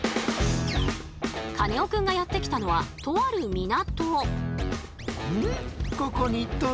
カネオくんがやって来たのはとある港。